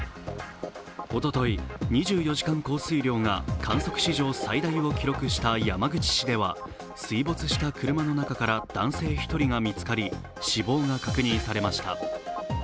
おととい、２４時間降水量が観測史上最大を記録した山口市では水没した車の中から男性１人が見つかり死亡が確認されました。